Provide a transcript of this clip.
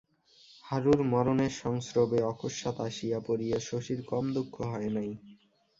হারুর মরণের সংস্রবে অকস্মাৎ আসিয়া পড়িয়া শশীর কম দুঃখ হয় নাই।